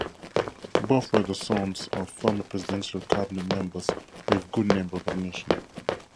Both were the sons of former Presidential Cabinet members with good name recognition.